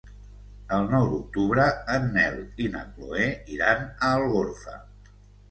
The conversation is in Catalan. El nou d'octubre en Nel i na Chloé iran a Algorfa.